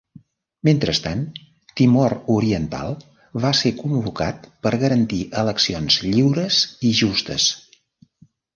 Mentrestant, Timor Oriental va ser convocat per garantir eleccions lliures i justes.